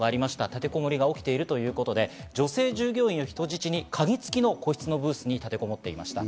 立てこもりが起きているということで、女性従業員を人質に、鍵付きの個室のブースに立てこもっていました。